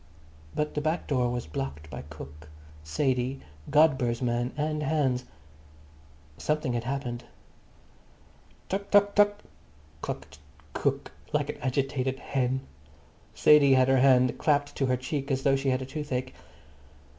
But the back door was blocked by cook, Sadie, Godber's man and Hans. Something had happened. "Tuk tuk tuk," clucked cook like an agitated hen. Sadie had her hand clapped to her cheek as though she had toothache.